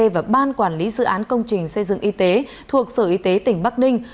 và ban quản lý dự án công trình xây dựng y tế thuộc sở y tế tỉnh bắc ninh